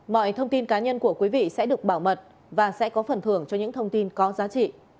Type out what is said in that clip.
mọi thông tin cá nhân của quý vị sẽ được bảo mật và sẽ có phần thưởng cho những thông tin có giá trị